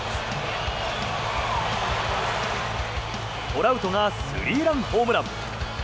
トラウトがスリーランホームラン。